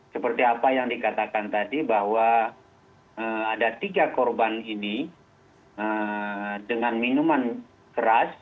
seperti apa yang dikatakan tadi bahwa ada tiga korban ini dengan minuman keras